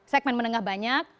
segmen menengah banyak